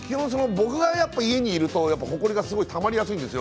僕が家にいるとほこりがすごいたまりやすいんですよ。